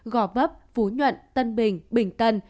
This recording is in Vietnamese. gò vấp phú nhuận tân bình bình tân